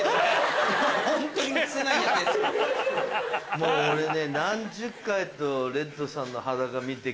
もう俺ね。